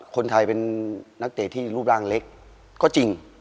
คนไทยเป็นนักเตะที่รูปร่างเล็กก็จริง